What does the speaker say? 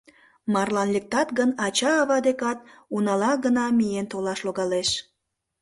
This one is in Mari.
Марлан лектат гын, ача-ава декат унала гына миен толаш логалеш.